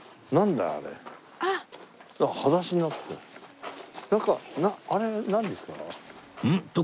なんかあれなんですか？